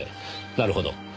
なるほど。